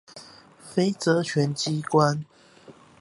非權責機關